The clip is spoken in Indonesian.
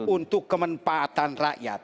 untuk kemanfaatan rakyat